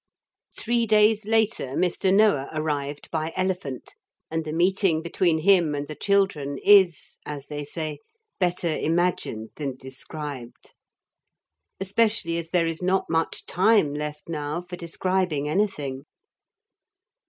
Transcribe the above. ....... Three days later Mr. Noah arrived by elephant, and the meeting between him and the children is, as they say, better imagined than described. Especially as there is not much time left now for describing anything.